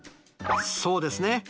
そうですね。